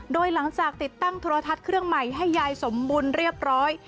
โดยหลังจากติดตั้งโทรทัศน์เครื่องใหม่ให้ยายสมบูรณ์เรียบร้อย